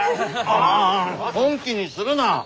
ああ本気にするな！